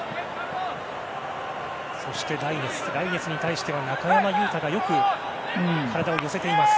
そして、ライネスに対しては中山雄太がよく体を寄せます。